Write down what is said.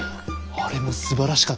あれもすばらしかったです！